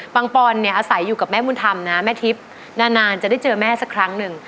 ปอนเนี่ยอาศัยอยู่กับแม่บุญธรรมนะแม่ทิพย์นานจะได้เจอแม่สักครั้งหนึ่ง